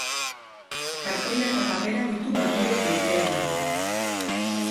Kartoia eta papera ditu material maiteenak.